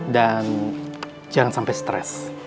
dan jangan sampai stres